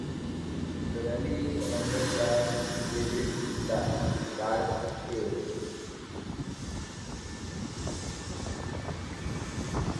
The valley is surrounded by lurid dark caves.